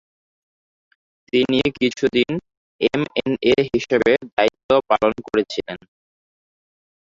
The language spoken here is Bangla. তিনি কিছু দিন এমএনএ হিসাবে দায়িত্ব পালন করেছিলেন।